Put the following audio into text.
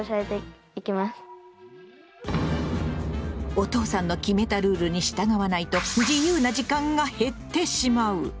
お父さんの決めたルールに従わないと自由な時間が減ってしまう！